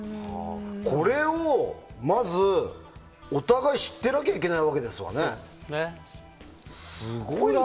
これをまずお互い知ってなきゃいけないわけですよね。